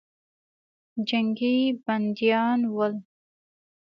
جنګي بندیان ول.